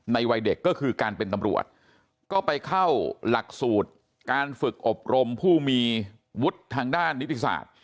วัยเด็กก็คือการเป็นตำรวจก็ไปเข้าหลักสูตรการฝึกอบรมผู้มีวุฒิทางด้านนิติศาสตร์